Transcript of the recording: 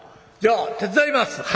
じゃあ手伝います！」。